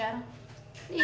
ya kalau gua sih